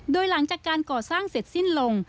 โดยหลังจากการก่อสร้างเสร็จสิ้นลง